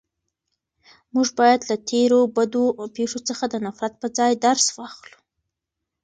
موږ باید له تېرو بدو پېښو څخه د نفرت په ځای درس واخلو.